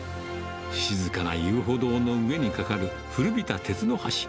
静かな遊歩道の上に架かる古びた鉄の橋。